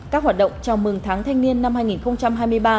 các hoạt động chào mừng tháng thanh niên năm hai nghìn hai mươi ba